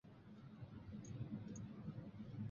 应课差饷租值是评估差饷的基础。